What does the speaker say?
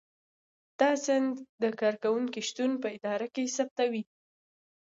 دا سند د کارکوونکي شتون په اداره کې تثبیتوي.